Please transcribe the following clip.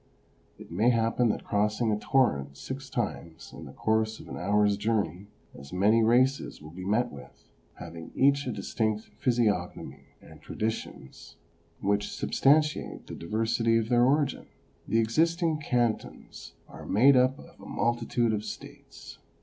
It may happen that crossing a torrent six times in the course of an hour's journey as many races will be met with, having each a distinct physiognomy and traditions which substantiate the diversity of their origin. The existing cantons are made up of a multitude of states.